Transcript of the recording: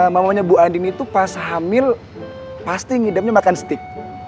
mamanya bu adin itu pas hamil pasti ngidapnya makan steak